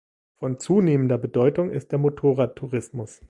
Von zunehmender Bedeutung ist der Motorrad-Tourismus.